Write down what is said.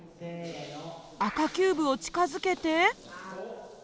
赤キューブを近づけて。